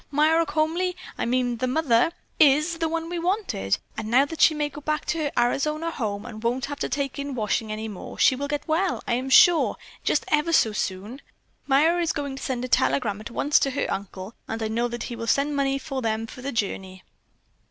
Myra Comely, I mean the mother, is the one we wanted. And now that she may go back to her Arizona home and won't have to take in washing any more, she will get well, I am sure, just ever so soon. Myra is going to send a telegram at once to her uncle, and I know that he will send money to them for the journey."